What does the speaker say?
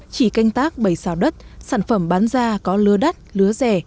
chỉ canh tác bảy sao đất sản phẩm bán ra có lứa đắt lứa rẻ